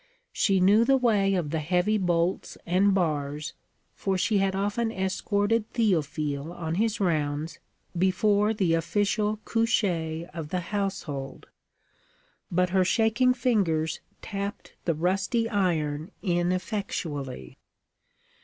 She knew the way of the heavy bolts and bars, for she had often escorted Théophile on his rounds before the official coucher of the household; but her shaking fingers tapped the rusty iron ineffectually.